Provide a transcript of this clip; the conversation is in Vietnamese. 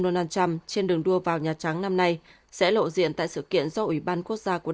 donald trump trên đường đua vào nhà trắng năm nay sẽ lộ diện tại sự kiện do ủy ban quốc gia của